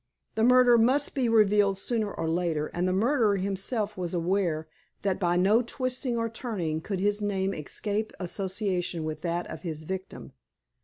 The murder must be revealed sooner or later, and the murderer himself was aware that by no twisting or turning could his name escape association with that of his victim.